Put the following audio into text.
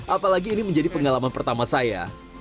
apalagi ini menjadi pengalaman pertama saya